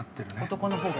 男の方が？